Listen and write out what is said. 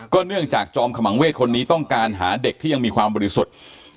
เนื่องจากจอมขมังเวศคนนี้ต้องการหาเด็กที่ยังมีความบริสุทธิ์